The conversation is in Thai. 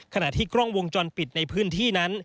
ขณะที่กล้องวงจรปิดในพื้นที่นั้น